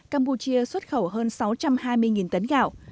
campuchia xuất khẩu hơn sáu trăm hai mươi tấn gạo